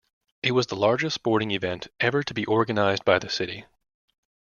It was the largest sporting event ever to be organised by the city.